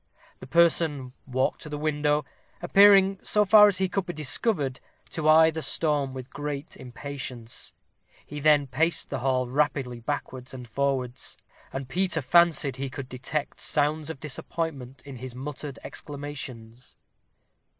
The person walked to the window, appearing, so far as could be discovered, to eye the storm with great impatience. He then paced the hall rapidly backwards and forwards, and Peter fancied he could detect sounds of disappointment in his muttered exclamations.